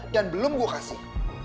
dan belum gua kasih